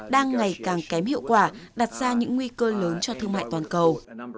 đang ngày càng kém hiệu quả đặt ra những nguy cơ lớn cho thương mại toàn cầu